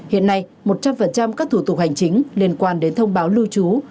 hiện nay một trăm linh các thủ tục hành chính liên quan đến thông báo lưu trú